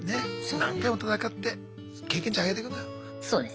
何回も戦って経験値上げてくのよ。